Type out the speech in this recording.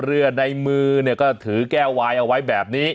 เรือในมือก็ถือแก้วไวน์เอาไว้แบบนี้